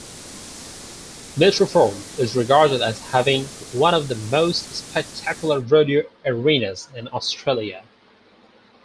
Myrtleford is regarded as having one of the most spectacular rodeo arenas in Australia.